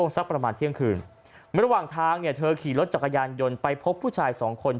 สักประมาณเที่ยงคืนระหว่างทางเนี่ยเธอขี่รถจักรยานยนต์ไปพบผู้ชายสองคน